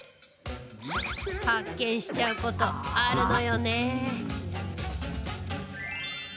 発見しちゃうことあるのよね。